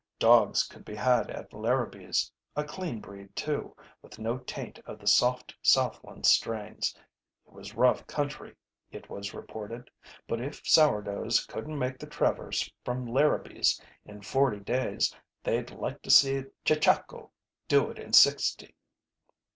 Dogs could be had at Larabee's a clean breed, too, with no taint of the soft Southland strains. It was rough country, it was reported, but if sour doughs couldn't make the traverse from Larabee's in forty days they'd like to see a chechako do it in sixty.